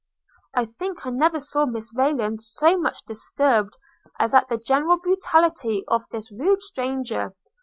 I think I never saw Mrs Rayland so much disturbed as at the general brutality of this rude stranger.